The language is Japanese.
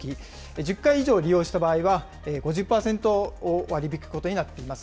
１０回以上利用した場合は５０％割り引くことになっています。